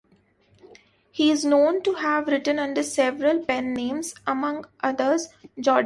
He is known to have written under several pen names, among others Jordan Gray.